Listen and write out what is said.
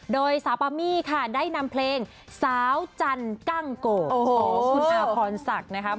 โดยสาวปามี่ค่ะได้นำเพลงสาวจันกั้งโกของคุณอาพรศักดิ์นะครับ